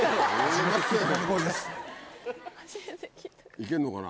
行けんのかな？